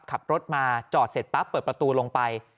ขับรถมาจอดเสร็จปั๊บเปิดประตูลงไป